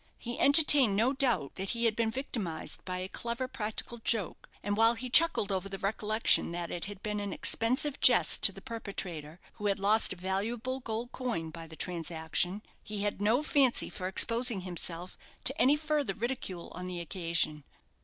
He entertained no doubt that he had been victimized by a clever practical joke, and while he chuckled over the recollection that it had been an expensive jest to the perpetrator, who had lost a valuable gold coin by the transaction, he had no fancy for exposing himself to any further ridicule on the occasion.